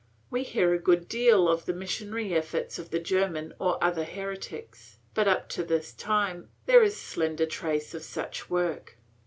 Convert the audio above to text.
We hear a good deal of the missionary efforts of the German or other heretics, but up to this time there is slender trace of such work.